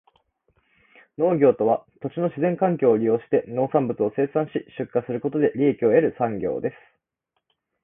農業とは、土地の自然環境を利用して農産物を生産し、出荷することで利益を得る産業です。